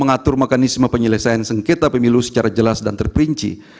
mengatur mekanisme penyelesaian sengketa pemilu secara jelas dan terperinci